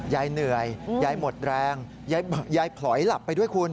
ยายเหนื่อยยายหมดแรงยายผลอยหลับไปด้วยคุณ